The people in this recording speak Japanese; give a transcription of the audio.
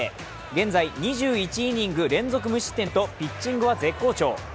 現在、２１イニング連続無失点とピッチングは絶好調。